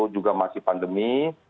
juga masih pandemi